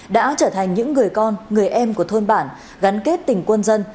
đã trở thành những người con người em của thôn bản gắn kết tình quân dân